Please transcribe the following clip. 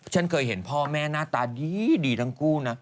ฉันเคยเห็นพ่อแม่หน้าตาดีทั้งคู่นะ